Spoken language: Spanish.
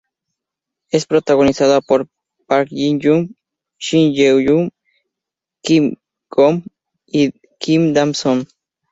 Es protagonizada por Park Jin-young, Shin Ye-eun, Kim Kwon y Kim Da-som.